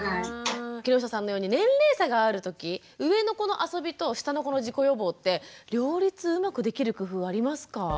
木下さんのように年齢差がある時上の子の遊びと下の子の事故予防って両立うまくできる工夫はありますか？